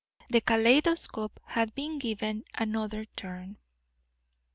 The kaleidoscope had been given another turn.